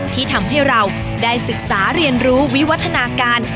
ที่ทำให้เราได้ศึกษาเรียนรู้วิวัฒนาการ